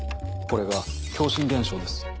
これが共振現象です。